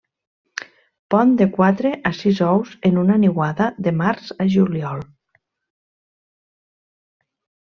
Pon de quatre a sis ous en una niuada, de març a juliol.